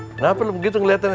kenapa lo begitu ngeliat ini